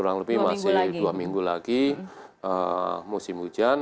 kurang lebih masih dua minggu lagi musim hujan